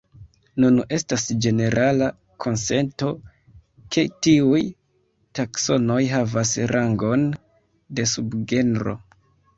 Nun estas ĝenerala konsento ke tiuj taksonoj havas rangon de subgenro.